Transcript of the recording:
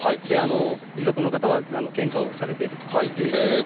遺族の方は献花をされているという一日です。